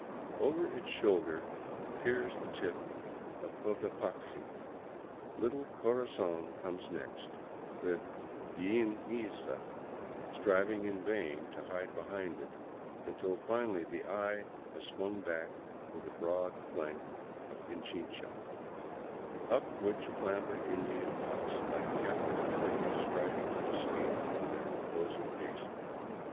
Over its shoulder peers the tip of Cotapaxi ; little Corazon comes next, with Iliniza striving in vain to hide behind it, until finally the eye has swung back to the broad flanks of Pichincha, up which clamber Indian huts, like captive turtles striving to escape from their enclosing basin.